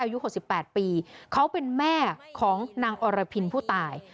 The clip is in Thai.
อายุ๖๘ปีเขาเป็นแม่ของนางอรพินผู้ตาย